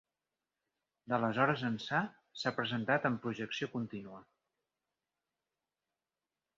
D'aleshores ençà, s'ha presentat en projecció contínua.